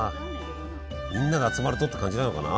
みんなが集まるとって感じなのかな？